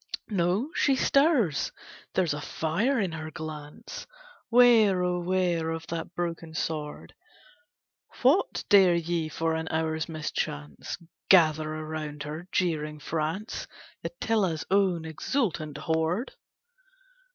No, she stirs! There's a fire in her glance, Ware, oh ware of that broken sword! What, dare ye for an hour's mischance, Gather around her, jeering France, Attila's own exultant horde?